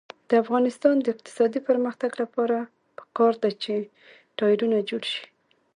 د افغانستان د اقتصادي پرمختګ لپاره پکار ده چې ټایرونه جوړ شي.